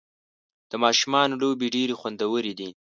د ماشومانو لوبې ډېرې خوندورې دي.